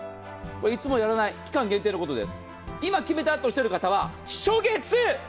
いつもやらない期間限定のことです。